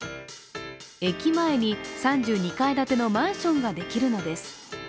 駅前に３２階建てのマンションができるのです。